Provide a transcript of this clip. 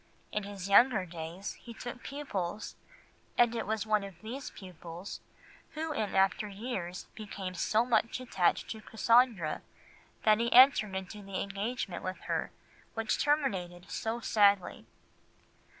In his younger days he took pupils, and it was one of these pupils who in after years became so much attached to Cassandra that he entered into the engagement with her which terminated so sadly.